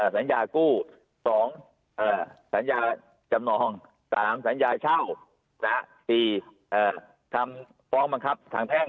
สัญญากู้๒สัญญาจำนอง๓สัญญาเช่า๔ทำฟ้องบังคับทางแพ่ง